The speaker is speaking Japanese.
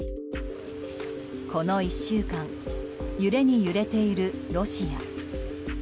この１週間揺れに揺れているロシア。